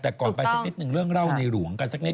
แต่ก่อนไปสักนิดนึงเรื่องเล่าในหลวงกันสักนิด